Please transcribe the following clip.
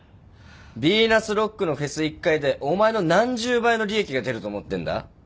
ビーナスロックのフェス１回でお前の何十倍の利益が出ると思ってんだ？